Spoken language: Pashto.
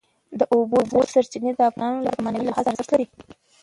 د اوبو سرچینې د افغانانو لپاره په معنوي لحاظ ارزښت لري.